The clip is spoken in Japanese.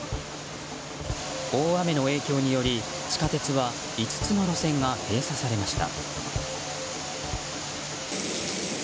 大雨の影響により地下鉄は５つの路線が閉鎖されました。